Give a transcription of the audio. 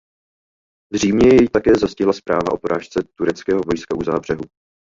V Římě jej také zastihla zpráva o porážce tureckého vojska u Záhřebu.